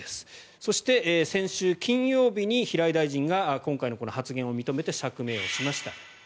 そして、先週金曜日に平井大臣が今回のこの発言を認めて釈明をしました。